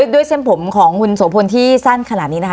ด้วยเช่นผมของคุณสมพลที่สั้นขนาดนี้นะคะ